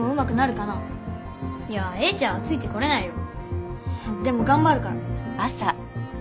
いやエイちゃんはついてこれないよ。でもがんばるから。